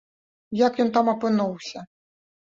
Як ён там апынуўся?